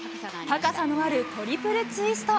高さのあるトリプルツイスト。